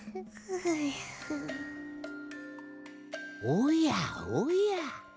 おやおや。